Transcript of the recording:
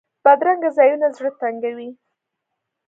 بدرنګه ځایونه زړه تنګوي